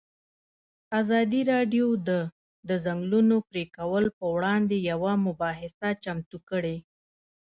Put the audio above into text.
ازادي راډیو د د ځنګلونو پرېکول پر وړاندې یوه مباحثه چمتو کړې.